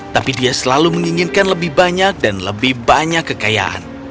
tapi dia selalu menginginkan lebih banyak dan lebih banyak kekayaan